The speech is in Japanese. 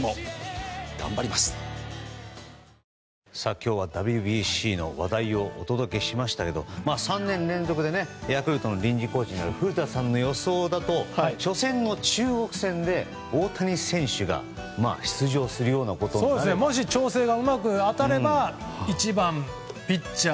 今日はＷＢＣの話題をお届けしましたけど３年連続でヤクルトの臨時コーチになる古田さんの予想だと初戦の中国戦で大谷選手が出場するようなことになれば。もし調整がうまく当たれば１番、ピッチャー